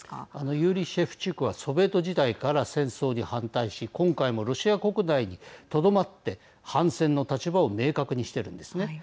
ユーリー・シェフチュークはソビエト時代から戦争に反対し今回もロシア国内にとどまって反戦の立場を明確にしているんですね。